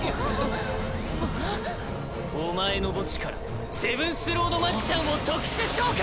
お前の墓地からセブンスロード・マジシャンを特殊召喚！